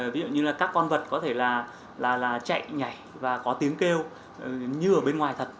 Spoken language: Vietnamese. ví dụ như là các con vật có thể là chạy nhảy và có tiếng kêu như ở bên ngoài thật